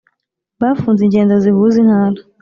bafunze ingendo zihuza intara